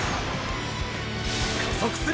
加速する！！